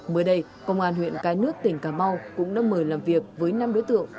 mới đây công an huyện cái nước tỉnh cà mau cũng đã mời làm việc với năm đối tượng